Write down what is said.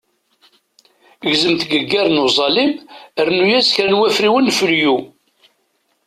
Gzem tgeggar n uẓalim, rnu-as kra n wafriwen n felyu.